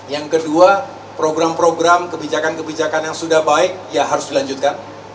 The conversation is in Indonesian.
yang kedua program program kebijakan kebijakan yang sudah baik ya harus dilanjutkan